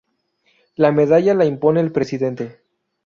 La medalla la impone el presidente.